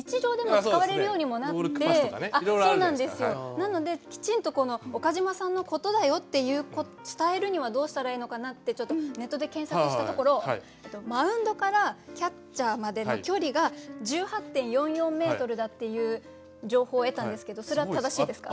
なのできちんと岡島さんのことだよって伝えるにはどうしたらいいのかなってちょっとネットで検索したところマウンドからキャッチャーまでの距離が１８．４４ｍだっていう情報を得たんですけどそれは正しいですか？